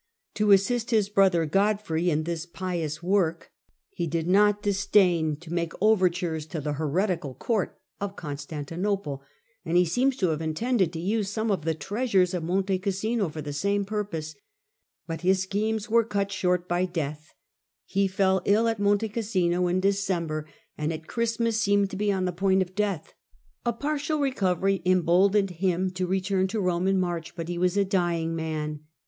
To assist his brother Godfrey in this pious work, he did not disdain to Digitized by VjOOQIC 44 HlLDEBRAND make overtures to the heretical court of Constantinople, and he seems to have intended to use some of the treasures of Monte Oassino for the same purpose. But Death of his schomos were cut short by death. He fell 1058 ^ ill at Monte Cassino, in December, and at Christmas seemed to be on the point of death. A partial recovery emboldened him to return to Rome in March, but he was a dying man.